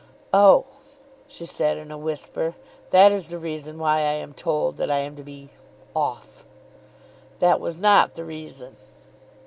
"Oh," she said, in a whisper; "that is the reason why I am told that I am to be off." "That was not the reason."